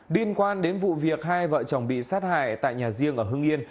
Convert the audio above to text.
điên quan đến vụ việc hai vợ chồng bị sát hại tại nhà riêng ở hưng yên